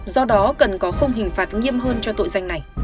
do đó cần có không hình phạt nghiêm hơn cho tội danh này